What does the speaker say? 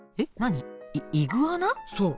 そう。